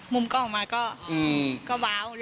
มุมกล้องออกมาก็บาว